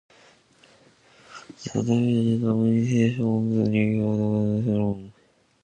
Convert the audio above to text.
The ‘dobbies’—a modification of the Jacquard—were also shown.